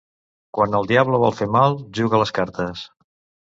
Quan el diable vol fer mal, juga a les cartes.